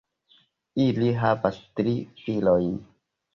Ili havas tri filojn.